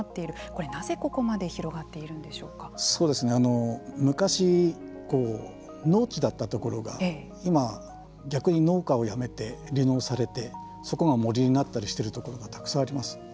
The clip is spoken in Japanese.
これなぜここまで昔、農地だったところが今、逆に農家をやめて離農されてそこが森になったりしているところがたくさんあります。